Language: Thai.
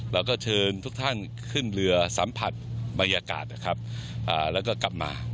เราก็เชิญทุกท่านขึ้นเรือสัมผัสบรรยากาศนะครับแล้วก็กลับมา